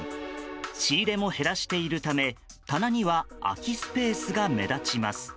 仕入れも減らしているため棚には空きスペースが目立ちます。